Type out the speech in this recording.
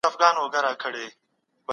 خپل ژوند له اسلامي لارښوونو سره سم تېر کړئ.